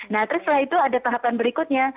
nah terus setelah itu ada tahapan berikutnya